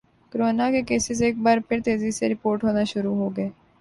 corona کے cases ایک بار پھر تیزی سے رپورٹ ہونا شروع ہوگئے